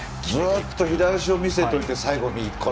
ずっと左足を見せておいて最後右。